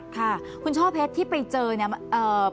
ค่ะคุณช่อเพชรที่ไปเจอเนี่ย